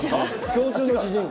共通の知人。